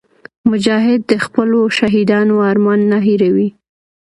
مجاهد د خپلو شهیدانو ارمان نه هېروي.